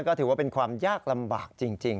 ก็ถือว่าเป็นความยากลำบากจริง